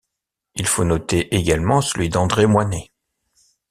Il faut noter également celui d'André Moynet.